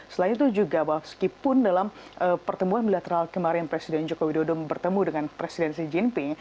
selain itu juga meskipun dalam pertemuan bilateral kemarin presiden joko widodo bertemu dengan presiden xi jinping